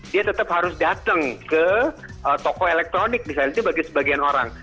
dia tetap harus datang ke toko elektronik misalnya itu bagi sebagian orang